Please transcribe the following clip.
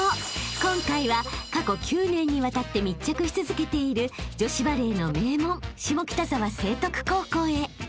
今回は過去９年にわたって密着し続けている女子バレーの名門下北沢成徳高校へ］